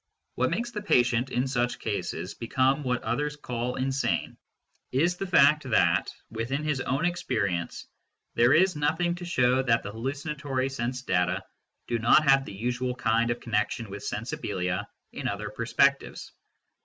What makes the patient, in such cases, become what others call insane is the fact that, within his own experience, there is nothing to show that the hallucinatory sense data do not have the usual kind of connection with " sensibilia " in other perspectives.